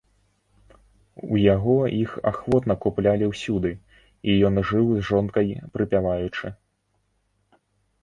У яго іх ахвотна куплялі ўсюды, і ён жыў з жонкай прыпяваючы.